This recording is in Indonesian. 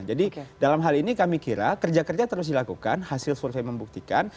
jadi dalam hal ini kami kira kerja kerja terus dilakukan hasil survei membuktikan